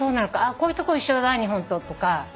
こういうとこ一緒だ日本ととか。